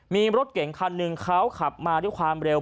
มีรถเก่งคันหนึ่งเขาขับมาด้วยความเร็ว